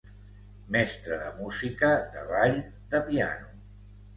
Mestre de música, de ball, de piano.